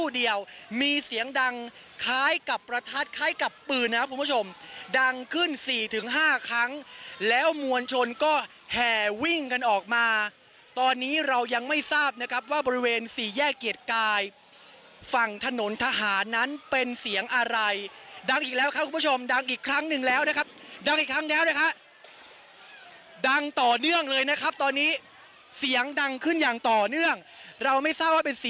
เดียวมีเสียงดังคล้ายกับประทัดคล้ายกับปืนนะครับคุณผู้ชมดังขึ้นสี่ถึงห้าครั้งแล้วมวลชนก็แห่วิ่งกันออกมาตอนนี้เรายังไม่ทราบนะครับว่าบริเวณสี่แยกเกียรติกายฝั่งถนนทหารนั้นเป็นเสียงอะไรดังอีกแล้วครับคุณผู้ชมดังอีกครั้งหนึ่งแล้วนะครับดังอีกครั้งแล้วนะฮะดังต่อเนื่องเลยนะครับตอนนี้เสียงดังขึ้นอย่างต่อเนื่องเราไม่ทราบว่าเป็น๔